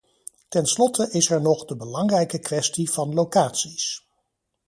Tenslotte is er nog de belangrijke kwestie van locaties.